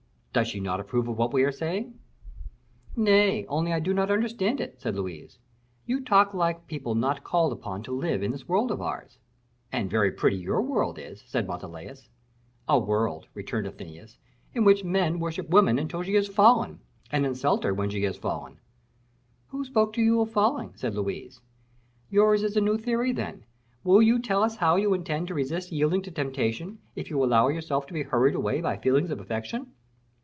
"Does she not approve of what we are saying?" "Nay; only I do not understand it," said Louise. "You talk like people not called upon to live in this world of ours." "And very pretty your world is," said Montalais. "A world," returned Athenais, "in which men worship a woman until she has fallen, and insult her when she has fallen." "Who spoke to you of falling?" said Louise. "Yours is a new theory, then; will you tell us how you intend to resist yielding to temptation, if you allow yourself to be hurried away by feelings of affection?"